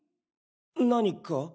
何か？